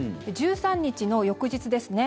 １３日の翌日ですね。